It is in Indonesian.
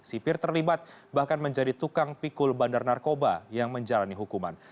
sipir terlibat bahkan menjadi tukang pikul bandar narkoba yang menjalani hukuman